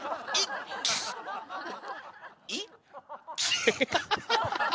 アハハハ！